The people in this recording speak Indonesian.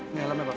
ini helm ya pak